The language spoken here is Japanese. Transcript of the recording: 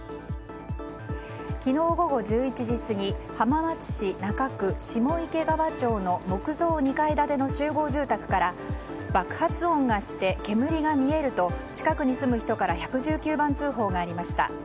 昨日午後１１時過ぎ浜松市中区下池川町の木造２階建ての集合住宅から爆発音がして煙が見えると近くに住む人から１１９番通報がありました。